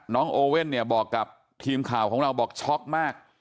โอเว่นเนี่ยบอกกับทีมข่าวของเราบอกช็อกมาก